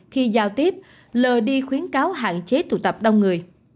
khi giao tiếp lờ đi khuyến cáo hạn chế tụ tập đông người